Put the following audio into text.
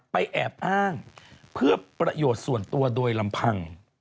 แอบอ้างเพื่อประโยชน์ส่วนตัวโดยลำพัง